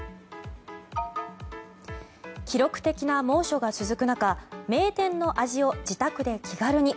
記録的な猛暑が続く中名店の味を自宅で気軽に。